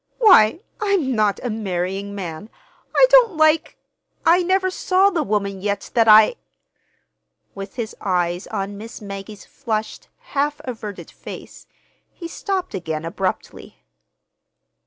Why, I'm not a marrying man. I don't like—I never saw the woman yet that I—" With his eyes on Miss Maggie's flushed, half averted face, he stopped again abruptly.